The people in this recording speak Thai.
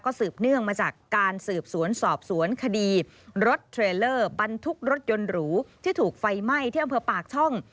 สืบเนื่องมาจากการสืบสวนสอบสวนคดีรถเทรลเลอร์บรรทุกรถยนต์หรูที่ถูกไฟไหม้ที่อำเภอปากช่อง